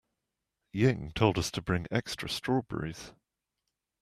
Ying told us to bring extra strawberries.